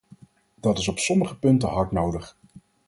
Dat is op sommige punten hard nodig.